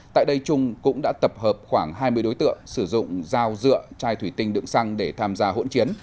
tại đây trung cũng đã tập hợp khoảng hai mươi đối tượng sử dụng dao dựa chai thủy tinh đựng xăng để tham gia hỗn chiến